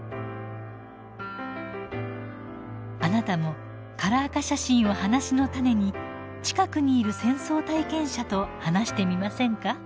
あなたもカラー化写真を話のタネに近くにいる戦争体験者と話してみませんか？